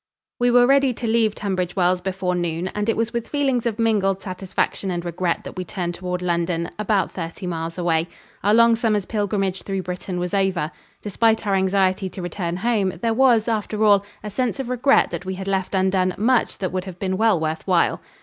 We were ready to leave Tunbridge Wells before noon, and it was with feelings of mingled satisfaction and regret that we turned toward London, about thirty miles away. Our long summer's pilgrimage through Britain was over. Despite our anxiety to return home, there was, after all, a sense of regret that we had left undone much that would have been well worth while.